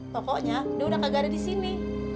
pokoknya dia udah kagak ada di sini